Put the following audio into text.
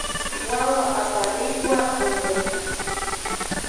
Wawa aparikwa puñurka.